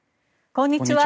こんにちは。